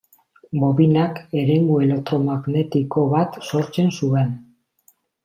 Bobinak eremu elektromagnetiko bat sortzen zuen.